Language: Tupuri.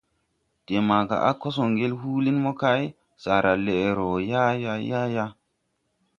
De maga a kos wo ŋgel húúli mo kay, saara leʼ roo yaayaa ! Yaayaa !